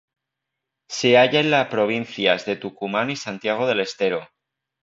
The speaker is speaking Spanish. Se halla en la provincias de Tucumán y Santiago del Estero.